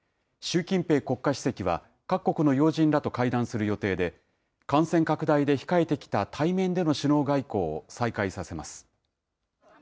習近平国家主席は各国の要人らと会談する予定で、感染拡大で控えてきた対面での首脳外交を再開させます。